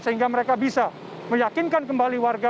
sehingga mereka bisa meyakinkan kembali warga